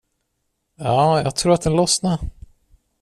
Ja, jag tror att den lossnade.